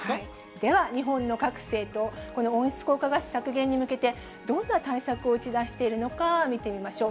では、日本の各政党、この温室効果ガス削減に向けて、どんな対策を打ち出しているのか、見てみましょう。